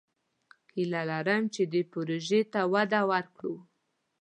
هیله لرم چې دې پروژې ته وده ورکړو.